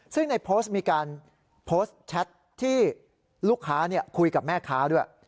ซึ่งในโพสต์มีการโพสต์แชทที่ลูกค้าคุยกับแม่ค้าด้วย